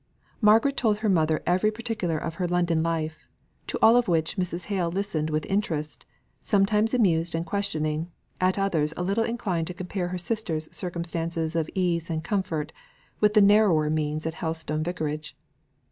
Margaret told her mother every particular of her London life, to all of which Mrs. Hale listened with interest, sometimes amused and questioning, at others a little inclined to compare her sister's circumstances of ease and comfort with the narrower means at Helstone Vicarage.